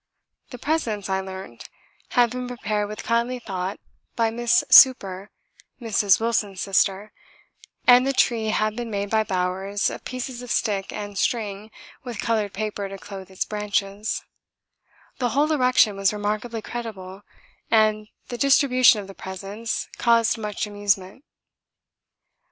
The presents, I learnt, had been prepared with kindly thought by Miss Souper (Mrs. Wilson's sister) and the tree had been made by Bowers of pieces of stick and string with coloured paper to clothe its branches; the whole erection was remarkably creditable and the distribution of the presents caused much amusement.